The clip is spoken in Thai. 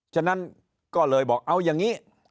ฉะนั้นก็เลยบอกเอาอย่างนี้